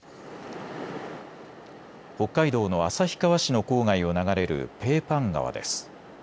北海道の旭川市の郊外を流れるペーパン川です。